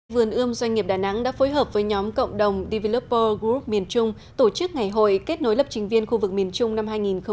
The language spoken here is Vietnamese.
vườn ươm doanh nghiệp đà nẵng đã phối hợp với nhóm cộng đồng dvlupo group miền trung tổ chức ngày hội kết nối lập trình viên khu vực miền trung năm hai nghìn hai mươi